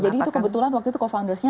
jadi itu kebetulan waktu itu co foundersnya